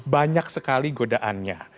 banyak sekali godaannya